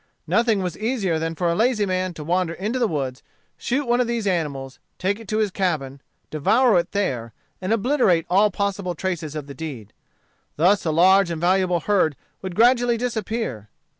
Nothing was easier than for a lazy man to wander into the woods, shoot one of these animals, take it to his cabin, devour it there, and obliterate all possible traces of the deed. Thus a large and valuable herd would gradually disappear.